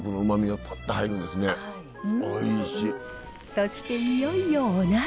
そしていよいよお鍋。